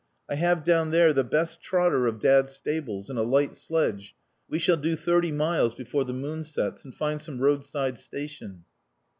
I have down there the best trotter of dad's stables and a light sledge. We shall do thirty miles before the moon sets, and find some roadside station...."